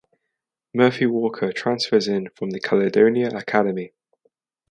Murphy Walker transfers in from the Caledonia Academy.